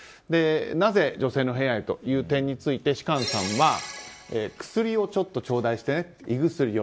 なぜ女性の部屋へという点について芝翫さんは薬をちょっと頂戴してね、胃薬を。